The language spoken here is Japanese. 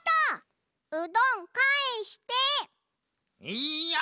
いや！